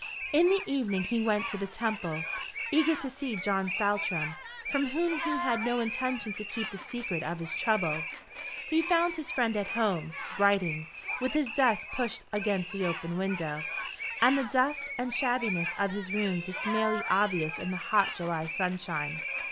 In the evening he went to the Temple, eager to see John Saltram, from whom he had no intention to keep the secret of his trouble. He found his friend at home, writing, with his desk pushed against the open window, and the dust and shabbiness of his room dismally obvious in the hot July sunshine.